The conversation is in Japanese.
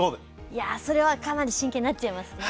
いやそれはかなり真剣になっちゃいますね。